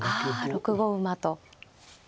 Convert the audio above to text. あ６五馬と。